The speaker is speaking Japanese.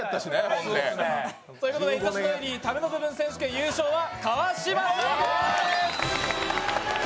ほんで。ということで、「いとしのエリータメの部分選手権」優勝は川島さんです。